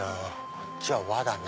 こっちは和だな！